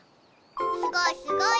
すごいすごい！